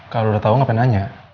kalau udah tau ngapain nanya